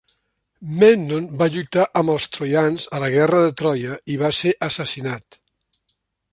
Memnon va lluitar amb els Troians a la Guerra de Troia i va ser assassinat.